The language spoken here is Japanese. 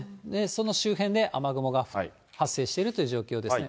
その周辺で雨雲が発生しているという状況ですね。